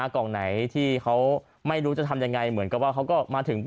กล่องไหนที่เขาไม่รู้จะทำยังไงเหมือนกับว่าเขาก็มาถึง